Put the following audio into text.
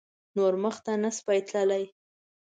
نور مخته نه شوای تللای.